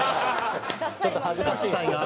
ちょっと恥ずかしいんですけど。